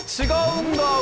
違うんだ。